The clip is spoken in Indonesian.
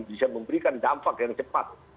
bisa memberikan dampak yang cepat